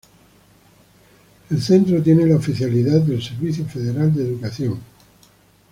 El centro tiene la oficialidad del Servicio Federal de Educación.